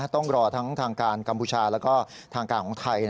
ต้องรอทั้งทางการกัมพูชาแล้วก็ทางการของไทย